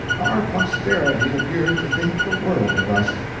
Our posterity appeared to think the world of us.